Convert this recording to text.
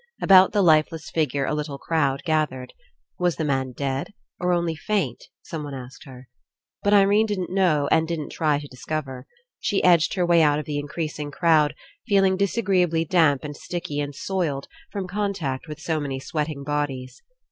About the lifeless figure a little crowd gathered. Was the man dead, or only faint? someone asked her. But Irene didn't know and didn't try to discover. She edged her way out of the increas ing crowd, feeling disagreeably damp and sticky and soiled from contact with so many sweating bodies.